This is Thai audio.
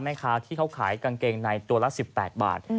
แม่ค้าที่เขาขายกางเกงในตัวละ๑๘บาท